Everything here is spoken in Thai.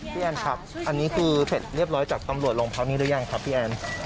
แอนครับอันนี้คือเสร็จเรียบร้อยจากตำรวจโรงพักนี้หรือยังครับพี่แอน